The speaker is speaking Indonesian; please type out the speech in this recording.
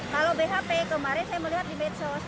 kalau bhp kemarin saya melihat di medsos bahwa ada lockdown